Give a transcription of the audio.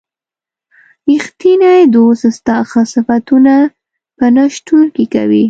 ریښتینی دوست ستا ښه صفتونه په نه شتون کې کوي.